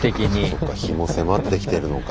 そっか日も迫ってきてるのか。